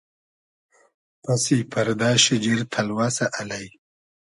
پئسی پئردۂ شیجیر تئلوئسۂ الݷ